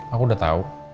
aku udah tau